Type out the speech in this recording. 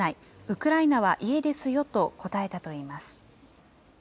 ウクライナは家ですよと答えたといいます。